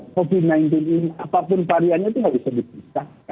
covid sembilan belas ini apapun variannya itu nggak bisa dipisah